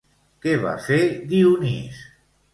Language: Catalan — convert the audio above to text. Què va fer Dionís?